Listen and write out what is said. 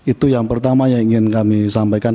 itu yang pertama yang ingin kami sampaikan